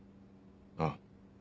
ああ。